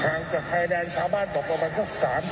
ทางจากชายแดนชาวบ้านตกประมาณสัก๓๔กิโลกรัมเพราะอะไรล่ะ